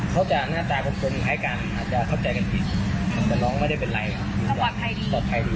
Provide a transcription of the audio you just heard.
เขาจะหน้าตากลมกลมหายกันอาจจะเข้าใจกันผิด